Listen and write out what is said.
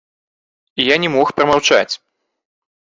І я не мог прамаўчаць.